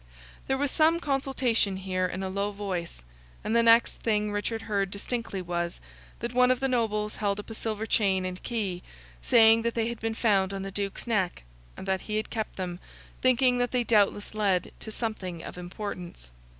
There was some consultation here in a low voice, and the next thing Richard heard distinctly was, that one of the Nobles held up a silver chain and key, saying that they had been found on the Duke's neck, and that he had kept them, thinking that they doubtless led to something of importance.